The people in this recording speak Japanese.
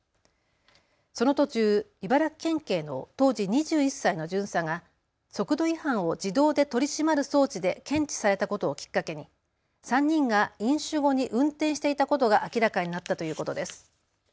その途中、茨城県警の当時２１歳の巡査が速度違反を自動で取り締まる装置で検知されたことをきっかけに３人が飲酒後に運転していたことが明らかになったということです。